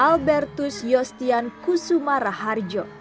albertus yostian kusumara harjo